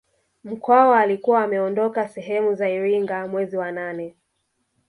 Mkwawa alikuwa ameondoka sehemu za Iringa mwezi wa nane